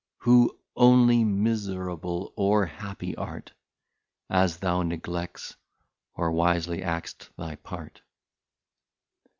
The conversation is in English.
Who only Miserable or Happy art, As thou neglects, or wisely act'st thy Part.